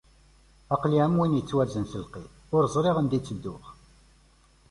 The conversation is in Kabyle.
Aql-i am win yettwarzen s lqid, ur ẓriɣ anda i tedduɣ.